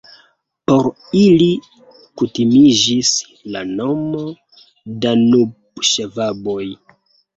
Por ili kutimiĝis la nomo "Danubŝvaboj".